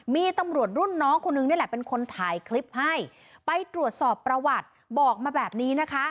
มีตำรวจรุ่นน้องคนนึงนี่แหละเป็นคนถ่ายคลิปให้ไปตรวจสอบประวัติบอกมาแบบนี้นะคะ